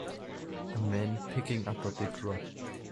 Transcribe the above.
A man picking up a big rock.